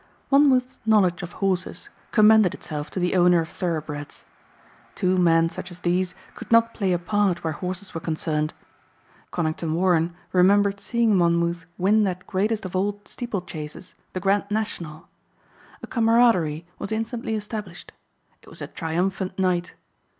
Monmouth's knowledge of horses commended itself to the owner of thoroughbreds. Two men such as these could not play a part where horses were concerned. Conington Warren remembered seeing Monmouth win that greatest of all steeplechases the Grand National. A camaraderie was instantly established. It was a triumphant night.